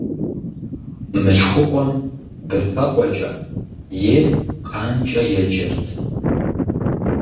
Мылъхукъуэм быфэкъуэкӏэ, е къанкӀэ еджэрт.